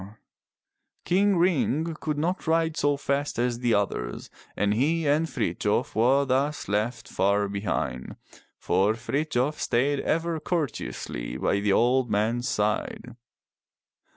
King Ring could not ride so fast as the others and he and Frithjof were thus left far behind, for Frithjof stayed ever cour teously by the old man's side.